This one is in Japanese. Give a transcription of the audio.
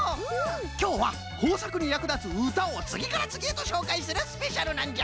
きょうはこうさくにやくだつうたをつぎからつぎへとしょうかいするスペシャルなんじゃ！